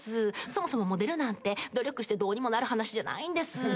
そもそもモデルなんて努力してどうにもなる話じゃないんです。